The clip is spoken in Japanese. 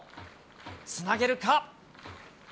つなげるか。